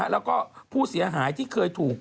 แล้วก็ผู้เสียหายที่เคยถูก